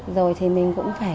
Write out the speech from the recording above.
rồi thì mình cũng phải